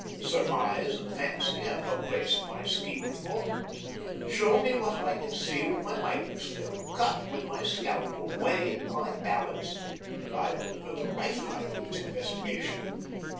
Surmise and fancy have no place in my scheme of thought. Show me what I can see with my microscope, cut with my scalpel, weigh in my balance, and I will devote a lifetime to its investigation.